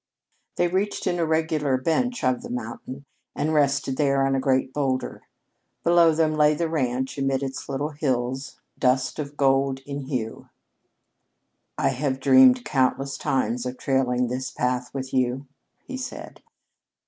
They reached an irregular "bench" of the mountain, and rested there on a great boulder. Below them lay the ranch amid its little hills, dust of gold in hue. "I have dreamed countless times of trailing this path with you," he said.